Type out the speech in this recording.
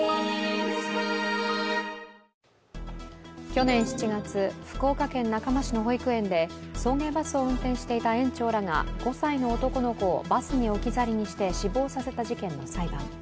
去年７月、福岡県中間市の保育園で送迎バスを運転していた園長らが５歳の男の子をバスに置き去りにして死亡させた事件の裁判。